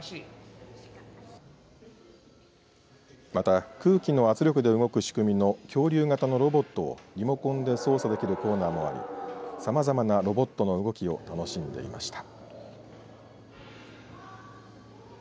また空気の圧力で動く仕組みの恐竜型のロボットをリモコンで操作できるコーナーもありさまざまなロボットの動きを楽しんでいました。